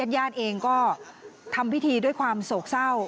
ญาติเองก็ทำพิธีด้วยความโศกเศร้า